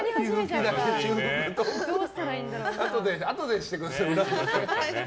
あとでしてください。